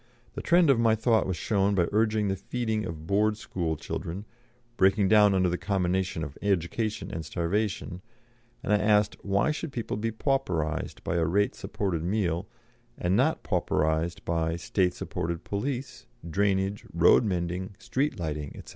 The trend of my thought was shown by urging the feeding of Board School children, breaking down under the combination of education and starvation, and I asked, "Why should people be pauperised by a rate supported meal, and not pauperised by, state supported police, drainage, road mending, street lighting, &c?